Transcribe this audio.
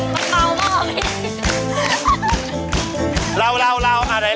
มันเปล่ามากครับพี่